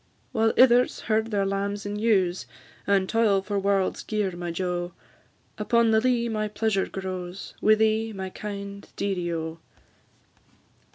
While ithers herd their lambs and ewes, And toil for warld's gear, my jo, Upon the lea my pleasure grows, Wi' thee, my kind dearie, O!